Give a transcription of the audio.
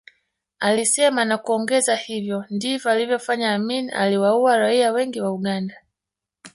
Alisema na kuongeza hivyo ndivyo alivyofanya Amin aliwaua raia wengi wa Uganda